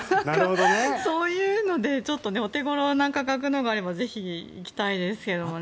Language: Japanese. そういうのでお手頃な価格のがあればぜひ行きたいですけどね。